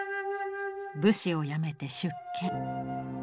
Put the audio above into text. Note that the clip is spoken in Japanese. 武士を辞めて出家。